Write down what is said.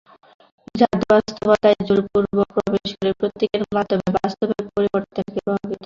জাদুবাস্তবতায় জোরপূর্বক প্রবেশ করে প্রতীকের মাধ্যমে এবং বাস্তবের পরিবর্তনকে প্রভাবিত করে।